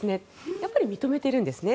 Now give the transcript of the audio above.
やっぱり認めていますね。